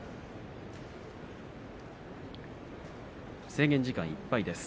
制限時間いっぱいです。